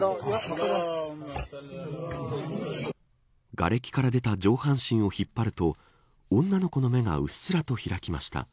がれきから出た上半身を引っ張ると女の子の目がうっすらと開きました。